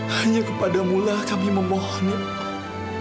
hanya kepada mu lah kami memohon ya allah